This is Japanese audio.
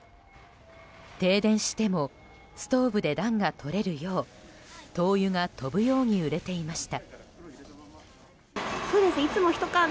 停電してもストーブで暖がとれるよう灯油が飛ぶように売れていました。